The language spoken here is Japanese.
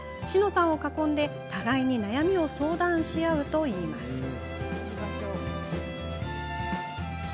紫乃さんを囲んで、互いに悩みを相談し合うといいます。